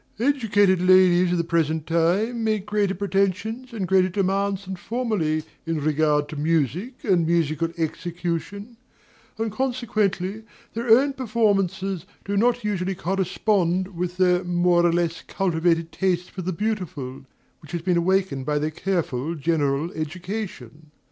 Educated ladies of the present time make greater pretensions and greater demands than formerly in regard to music and musical execution; and consequently their own performances do not usually correspond with their more or less cultivated taste for the beautiful, which has been awakened by their careful general education.